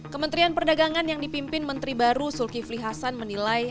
kementerian perdagangan yang dipimpin menteri baru zulkifli hasan menilai